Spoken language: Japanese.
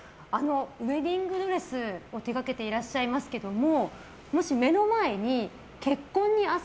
ウェディングドレスを手がけていらっしゃいますけども。